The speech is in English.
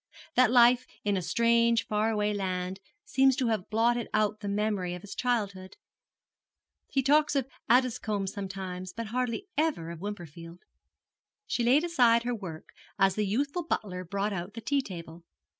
That life in a strange far away land seems to have blotted out the memory of his childhood. He talks of Addiscomb sometimes but hardly ever of Wimperfield.' She laid aside her work as the youthful butler brought out the tea table.